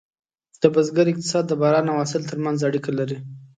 د بزګر اقتصاد د باران او حاصل ترمنځ اړیکه لري.